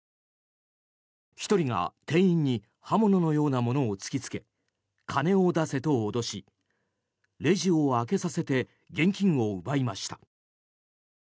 １人が店員に刃物のようなものを突きつけ金を出せと脅しレジを開けさせて現金を奪いました。